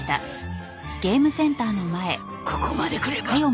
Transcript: ここまで来れば。